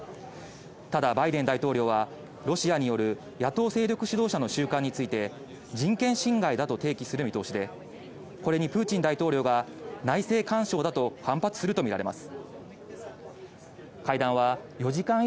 ただ、バイデン大統領はロシアによる野党勢力指導者の収監について人権侵害だと提起する見通しでこれにプーチン大統領が内政干渉だと反発するとみられます。